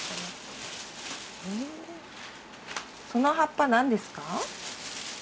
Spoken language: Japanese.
その葉っぱ何ですか？